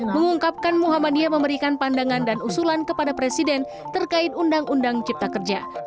mengungkapkan muhammadiyah memberikan pandangan dan usulan kepada presiden terkait undang undang cipta kerja